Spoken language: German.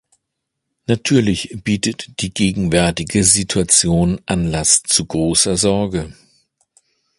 Natürlich bietet die gegenwärtige Situation Anlass zu großer Sorge.